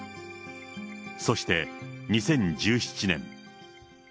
そして、２０１７年。